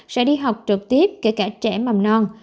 sẽ đi học trực tiếp kể cả trẻ mầm non